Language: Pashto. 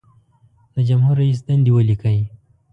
د جمهور رئیس دندې ولیکئ.